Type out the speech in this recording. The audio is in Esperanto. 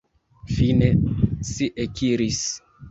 Fine si ekiris.